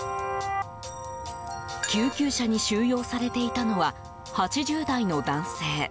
救急車に収容されていたのは８０代の男性。